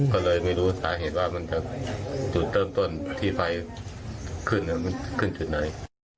ก็เลยไม่รู้สาเหตุว่ามันจะจุดเริ่มต้นที่ไฟขึ้นมันขึ้นจุดไหน